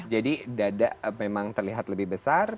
jadi dada memang terlihat lebih besar